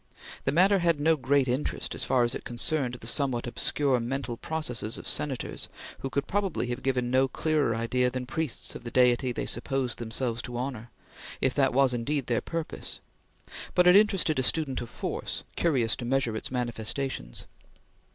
The matter had no great interest as far as it concerned the somewhat obscure mental processes of Senators who could probably have given no clearer idea than priests of the deity they supposed themselves to honor if that was indeed their purpose; but it interested a student of force, curious to measure its manifestations.